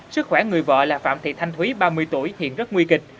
sức khỏe người vợ là phạm thị thanh thúy ba mươi tuổi hiện rất nguy kịch